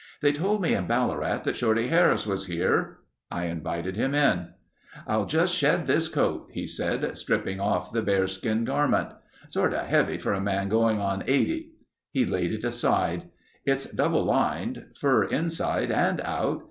"They told me in Ballarat that Shorty Harris was here." I invited him in. "I'll just shed this coat," he said, stripping off the bearskin garment. "... sorta heavy for a man going on 80." He laid it aside. "It's double lined. Fur inside and out.